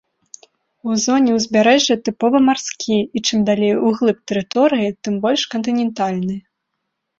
У зоне ўзбярэжжа тыпова марскі, і чым далей углыб тэрыторыі, тым больш кантынентальны.